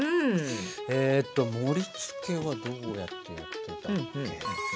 えっと盛りつけはどうやってやってたっけ。